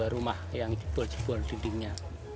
dua puluh dua rumah yang jebol jebol dindingnya